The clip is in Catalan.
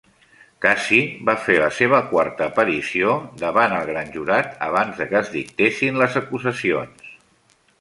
Casey va fer la seva quarta aparició davant el gran jurat abans de que es dictessin les acusacions.